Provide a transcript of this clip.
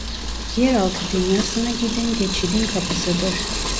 Yeraltı Dünyasına giden geçidin kapısıdır.